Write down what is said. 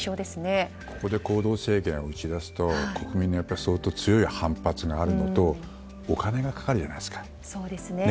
ここで行動制限を打ち出すと国民の相当強い反発があるのとお金がかかるじゃないですか。